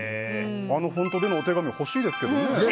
あのフォントでのお手紙欲しいですけど。